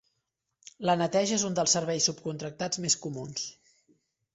La neteja és un dels serveis subcontractats més comuns.